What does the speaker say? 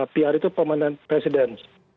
pr itu pemenang presiden